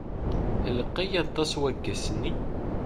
Lqay aṭas waggas-nni?